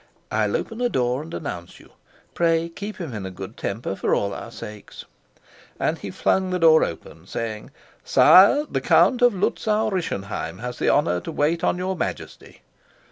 "I'll open the door and announce you. Pray keep him in a good temper, for all our sakes." And he flung the door open, saying, "Sire, the Count of Luzau Rischenheim has the honor to wait on your Majesty."